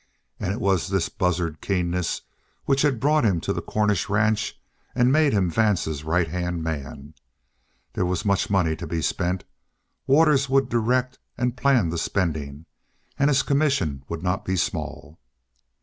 And it was this buzzard keenness which had brought him to the Cornish ranch and made him Vance's right hand man. There was much money to be spent; Waters would direct and plan the spending, and his commission would not be small.